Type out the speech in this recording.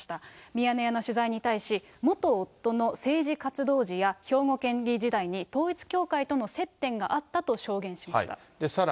ミヤネ屋の取材に対し、元夫の政治活動時や、兵庫県議員時代に、統一教会との接点があったと証言しました。